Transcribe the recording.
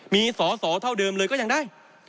มีสอสอเท่าเดิมเลยก็ยังได้